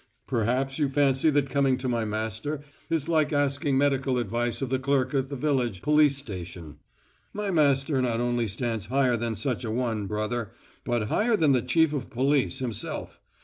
"Perhaps you fancy that coming to my master is like asking medical advice of the clerk at the village police station. My master not only stands higher than such a one, brother, but higher than the chief of police himself.